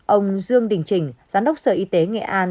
ông dương đình trình giám đốc sở y tế nghệ an